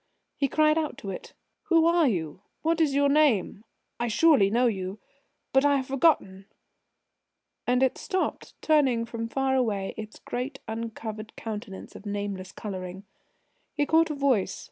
He cried out to it. "Who are you? What is your name? I surely know you ... but I have forgotten ...?" And it stopped, turning from far away its great uncovered countenance of nameless colouring. He caught a voice.